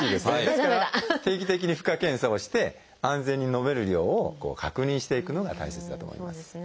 ですから定期的に負荷検査をして安全に飲める量を確認していくのが大切だと思います。